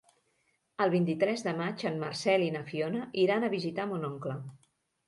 El vint-i-tres de maig en Marcel i na Fiona iran a visitar mon oncle.